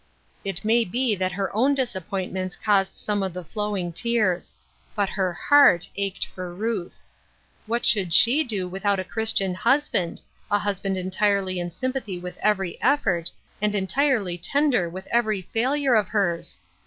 It may be that her own disappointments caused some of the flowing tears ; but her heart ached for Ruth. What should she do without a Christian husband — a husband entirely in sympathy with every effort, and entirely tender with every failure of hers